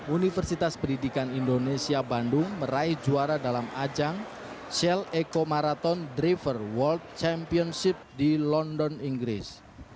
universitas pendidikan indonesia bandung meraih juara dalam ajang shell eco marathon driver world championship di london inggris